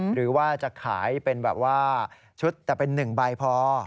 หรือว่าจะขายเป็นแบบว่าชุดแต่เป็น๑ใบพอ